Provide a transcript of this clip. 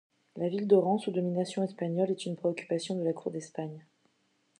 La ville d'Oran sous domination espagnole est une préoccupation de la cour d'Espagne.